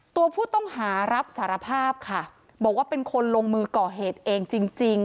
ตัวผู้ต้องหารับสารภาพค่ะบอกว่าเป็นคนลงมือก่อเหตุเองจริง